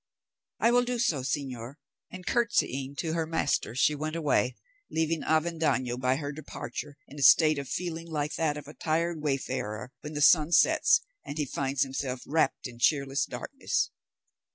"I will do so, señor," and curtsying to her master she went away, leaving Avendaño by her departure in a state of feeling like that of the tired wayfarer when the sun sets and he finds himself wrapt in cheerless darkness.